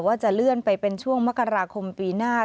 ว่าจะเลื่อนไปเป็นช่วงมกราคมปีหน้า